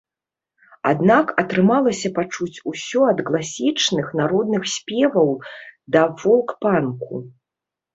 Аднак, атрымалася пачуць усё ад класічных народных спеваў да фолк-панку.